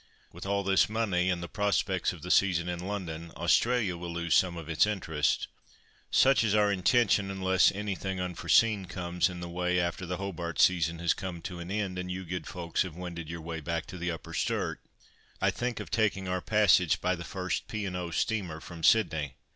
"With all this money, and the prospects of the season in London, Australia will lose some of its interest." "Such is our intention; unless anything unforeseen comes in the way after the Hobart season has come to an end and you good folks have wended your way back to the Upper Sturt, I think of taking our passage by the first P. and O. steamer from Sydney."